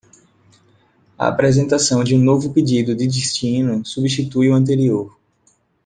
A apresentação de um novo pedido de destino substitui o anterior.